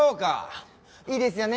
いいですよね？